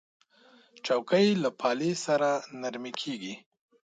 چوکۍ له پالې سره نرمې کېږي.